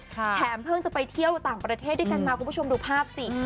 แถมเพิ่งจะไปเที่ยวต่างประเทศด้วยกันมาคุณผู้ชมดูภาพสิ